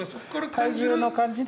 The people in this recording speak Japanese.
体重の感じで。